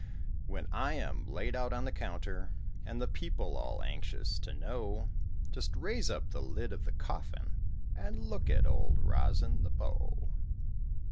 When I am laid out on the counter, And the people all anxious to know, Just raise up the lid of the coffin And look at Old Rosin the Bow.